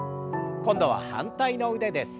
今度は反対の腕です。